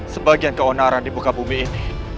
sebagian keonaran di buka bumi ini